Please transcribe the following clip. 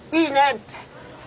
って。